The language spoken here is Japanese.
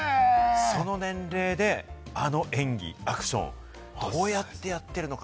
その年齢であの演技、アクション、どうやってやっているのか？